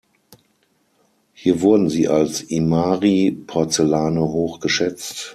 Hier wurden sie als Imari-Porzellane hoch geschätzt.